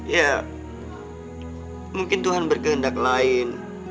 ya mungkin tuhan berkehendak lain